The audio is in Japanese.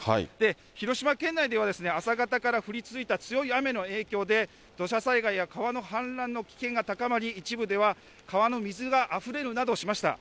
広島県内では、朝方から降り続いた強い雨の影響で、土砂災害や川の氾濫の危険が高まり、一部では川の水があふれるなどしました。